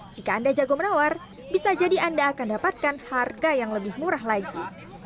jika anda jago menawar bisa jadi anda akan dapatkan harga yang lebih murah lagi